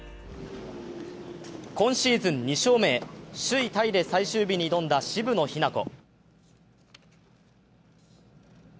今シーズン２勝目へ首位タイで最終日に挑んだ渋野日向子。